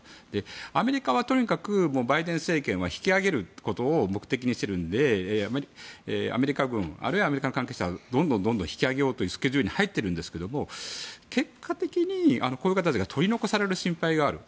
アメリカはとにかくバイデン政権は引き上げることを目的にしているので、アメリカ軍あるいはアメリカの関係者はどんどん引き揚げようというスケジュールに入っているんですけれども結果的にこういう人たちが取り残される可能性がある。